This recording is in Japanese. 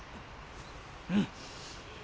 うん。